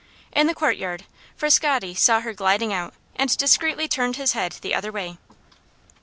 In the courtyard Frascatti saw her gliding out and discreetly turned his head the other way.